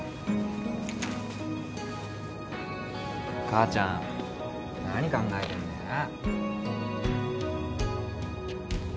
母ちゃん何考えてんだよな。